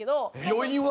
余韻は？